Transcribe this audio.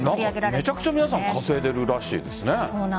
めちゃくちゃ皆さん稼いでいるらしいですね。